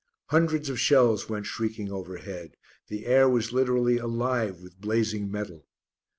Hundreds of shells went shrieking overhead. The air was literally alive with blazing metal.